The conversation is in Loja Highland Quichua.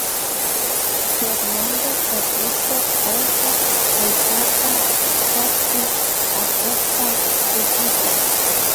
Fernando tapurka paypa taytata sapsi apukpa shutita.